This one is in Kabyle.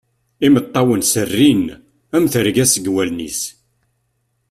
Imeṭṭawen serrin am terga seg wallen-is.